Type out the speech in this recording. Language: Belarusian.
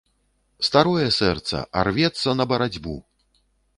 Старое сэрца, а рвецца на барацьбу!